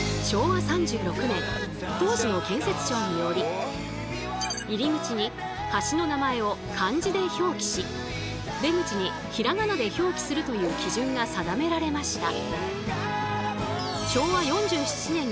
そもそも入り口に橋の名前を漢字で表記し出口にひらがなで表記するという基準が定められました。